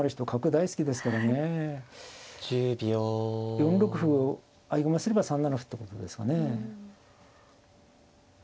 ４六歩を合駒すれば３七歩ってことですかね。